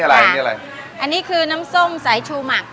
อันนี้คือน้ำส้มสายชูหมัก